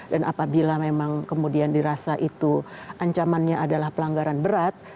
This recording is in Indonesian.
dan apabila memang kemudian dirasa itu ancamannya adalah pelanggaran berat